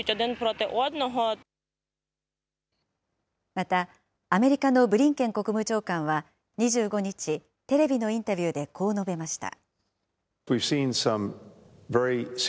また、アメリカのブリンケン国務長官は２５日、テレビのインタビューでこう述べました。